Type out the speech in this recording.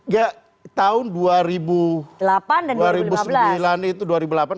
ya tahun dua ribu delapan dan dua ribu lima belas